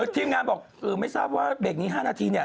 ทีมงานบอกไม่ทราบว่าเบรกนี้๕นาทีเนี่ย